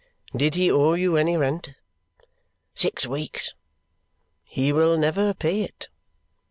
"Did he owe you any rent?" "Six weeks." "He will never pay it!"